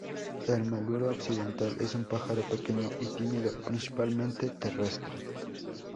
El maluro occidental es un pájaro pequeño y tímido, principalmente terrestre.